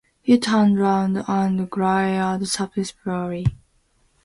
He turned round and glared suspiciously.